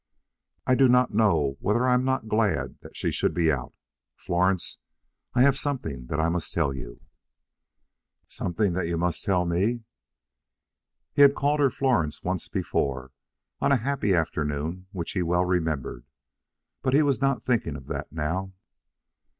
"I do not know whether I am not glad that she should be out. Florence, I have something that I must tell you." "Something that you must tell me!" He had called her Florence once before, on a happy afternoon which he well remembered, but he was not thinking of that now.